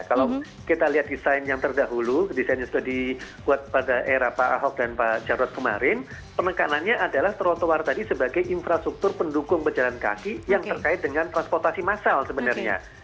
kalau kita lihat desain yang terdahulu desain yang sudah dibuat pada era pak ahok dan pak jarod kemarin penekanannya adalah trotoar tadi sebagai infrastruktur pendukung pejalan kaki yang terkait dengan transportasi massal sebenarnya